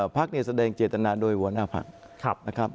พักเนี่ยแสดงเจตนาโดยหัวหน้าพักนะครับ